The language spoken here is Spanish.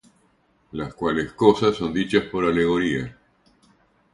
Las cuales cosas son dichas por alegoría: